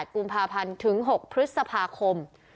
กุมภาพันธ์ถึง๖พฤษภาคม